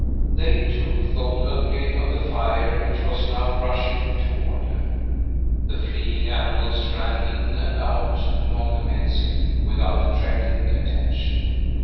They, too, thought only of the fire which was now rushing toward them. The fleeing animals ran in and out among the men's feet, without attracting attention.